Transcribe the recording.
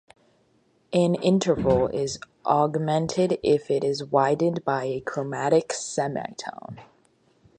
An interval is augmented if it is widened by a chromatic semitone.